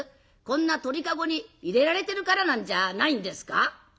こんな鳥籠に入れられてるからなんじゃないんですか？」。